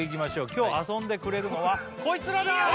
今日遊んでくれるのはこいつらだ！